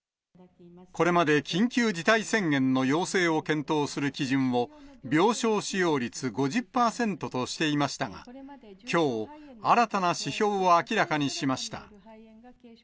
これまで緊急事態宣言の要請を検討する基準を、病床使用率５０％としていましたが、きょう、新たな指標を明らかにしました。